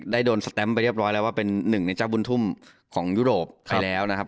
โดนสแตมไปเรียบร้อยแล้วว่าเป็นหนึ่งในเจ้าบุญทุ่มของยุโรปไปแล้วนะครับ